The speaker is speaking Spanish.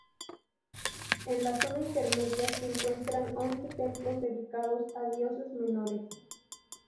En la zona intermedia se encuentran once templos dedicados a dioses menores.